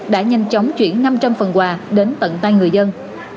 đã nhanh chóng chuyển năm trăm linh phần quà đến tận tay người dân